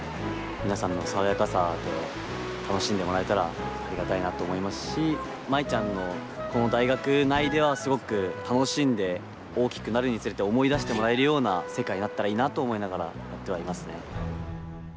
飛ぶことが夢っていうのって大変だなと思いますし舞ちゃんのこの大学内ではすごく楽しんで大きくなるにつれて思い出してもらえるような世界になったらいいなと思いながらやってはいますね。